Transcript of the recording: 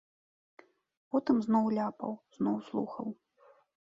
Потым зноў ляпаў, зноў слухаў.